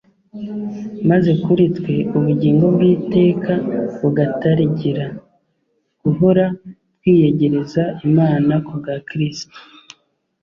maze kuri twe ubugingo bw'iteka bugatarigira. Guhora twiyegereza Imana kubwa Kristo,